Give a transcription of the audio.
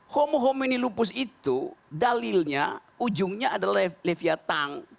homo homini lupus itu dalilnya ujungnya adalah leviathan